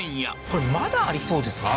これまだありそうですね？